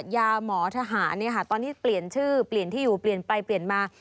ยาหมอทหารตอนที่เปลี่ยนชื่อเปลี่ยนที่อยู่เปลี่ยนไปเปลี่ยนมา